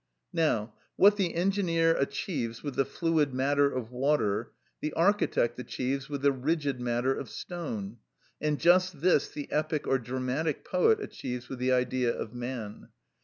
Now, what the engineer achieves with the fluid matter of water, the architect achieves with the rigid matter of stone, and just this the epic or dramatic poet achieves with the Idea of man.